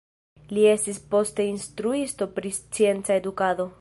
Li estis poste instruisto pri scienca edukado.